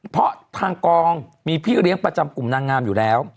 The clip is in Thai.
เพราะทางกองมีพี่เลี้ยงประจำกลุ่มนางงามอยู่แล้ว